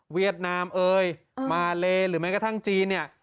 เวียดนามมาเลหรือแม้กระทั่งจีน